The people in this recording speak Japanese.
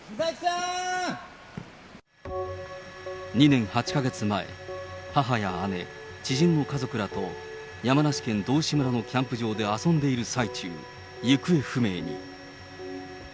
２年８か月前、母や姉、知人の家族らと山梨県道志村のキャンプ場で遊んでいる最中、行方不明に。